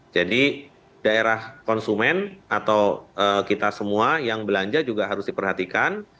jadi daerah konsumen atau kita semua yang belanja juga harus diperhatikan